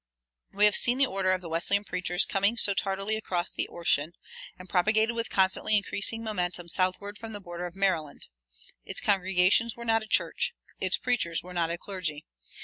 We have seen the order of the Wesleyan preachers coming so tardily across the ocean, and propagated with constantly increasing momentum southward from the border of Maryland. Its congregations were not a church; its preachers were not a clergy.